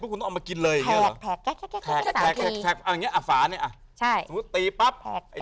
ตีปั๊บ